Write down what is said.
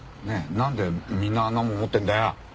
なんでみんなあんなもん持ってんだよ？